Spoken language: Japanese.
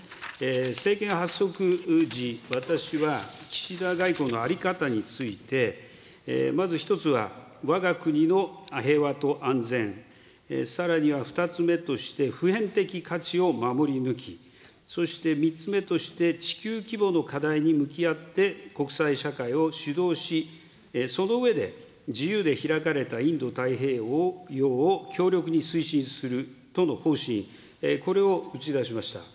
政権発足時、私は岸田外交の在り方について、まず１つは、わが国の平和と安全、さらには２つ目として、ふへん的価値を守り抜き、そして３つ目として地球規模の課題に向き合って、国際社会を主導し、その上で自由で開かれたインド太平洋を強力に推進するとの方針、これを打ち出しました。